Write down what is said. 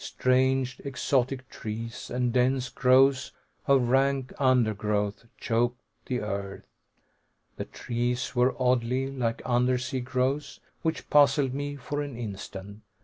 Strange exotic trees and dense growths of rank undergrowth choked the earth. The trees were oddly like undersea growths, which puzzled me for an instant.